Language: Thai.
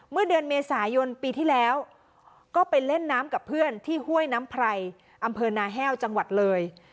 เมื่อเดือนเมษายนปีที่แล้วก็ไปเล่นน้ำกับเพื่อนที่ห้วยน้ำไพรอำเภอนาแห้วจังหวัดเลย